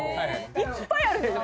いっぱいあるんですよ。